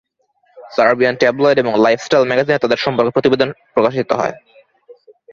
Serbian tabloid এবং lifestyle ম্যাগাজিনে তাদের সম্পর্ক নিয়ে প্রতিবেদন প্রকাশিত হয়।